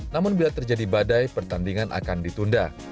namun bila terjadi badai pertandingan akan ditunda